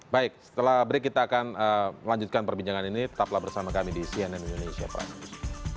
baik setelah break kita akan melanjutkan perbincangan ini tetaplah bersama kami di cnn indonesia prime news